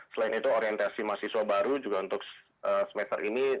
selain itu orientasi mahasiswa baru juga untuk semester ini